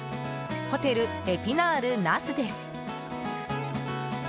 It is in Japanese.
ホテルエピナール那須です。